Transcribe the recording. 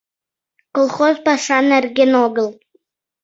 — Колхоз паша нерген огыл.